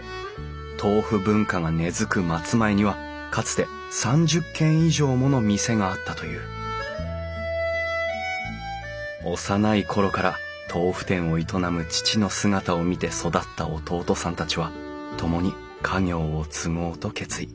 豆腐文化が根づく松前にはかつて３０軒以上もの店があったという幼い頃から豆腐店を営む父の姿を見て育った弟さんたちは共に家業を継ごうと決意。